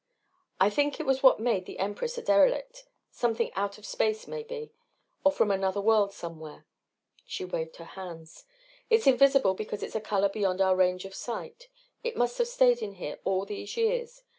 "I think it was what made the Empress a derelict. Something out of space, maybe, or from another world somewhere." She waved her hands. "It's invisible because it's a color beyond our range of sight. It must have stayed in here all these years.